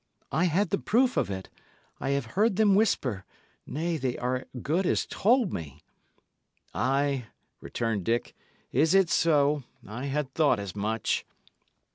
I had the proof of it; I have heard them whisper; nay, they as good as told me." "Ay," returned Dick, "is it so? I had thought as much."